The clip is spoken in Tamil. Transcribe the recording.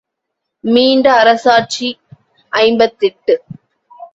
மீண்ட அரசாட்சி ஐம்பத்தெட்டு.